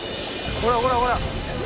ほらほらほら。